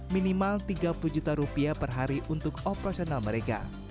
minimal tiga puluh juta rupiah per hari untuk operasional mereka